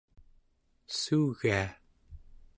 suugia